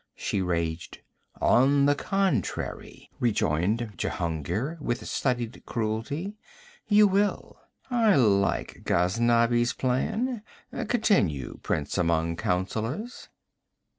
she raged. 'On the contrary,' rejoined Jehungir with studied cruelty, 'you will. I like Ghaznavi's plan. Continue, prince among counsellors.'